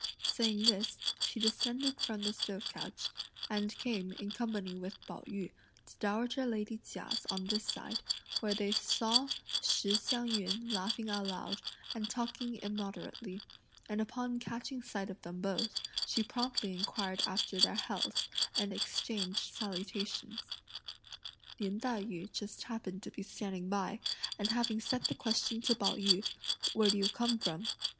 Saying this, she descended from the stove couch, and came, in company with Pao yü, to dowager lady Chia's on this side, where they saw Shih Hsiang yün laughing aloud, and talking immoderately; and upon catching sight of them both, she promptly inquired after their healths, and exchanged salutations. Lin Tai yü just happened to be standing by, and having set the question to Pao yü "Where do you come from?"